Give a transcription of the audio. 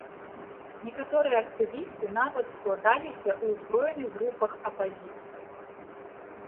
Некаторыя актывісты нават складаліся ў узброеных групах апазіцыі.